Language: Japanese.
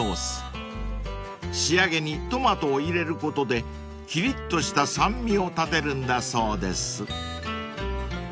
［仕上げにトマトを入れることできりっとした酸味を立てるんだそうです］